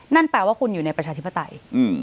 นั่นแปลว่าคุณอยู่ในประชาธิปไตย